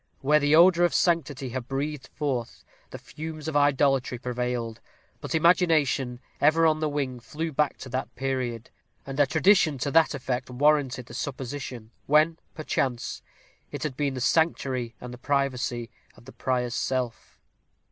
Where the odor of sanctity had breathed forth, the fumes of idolatry prevailed; but imagination, ever on the wing, flew back to that period and a tradition to that effect warranted the supposition when, perchance, it had been the sanctuary and the privacy of the prior's self.